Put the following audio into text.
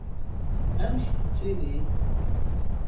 Amek tettili?